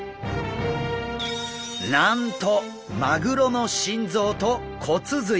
なんとマグロの心臓と骨髄！